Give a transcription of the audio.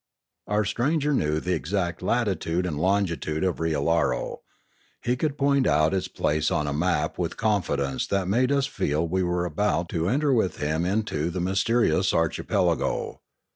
Our stranger knew the exact latitude and longitude of Riallaro. He could point out its place on a map with a confidence that made us feel we were about to enter with him into the mysterious archipelago.